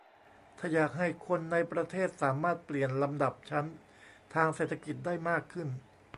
ถ้าอยากให้คนในประเทศสามารถเปลี่ยนลำดับชั้นทางเศรษฐกิจได้มากขึ้น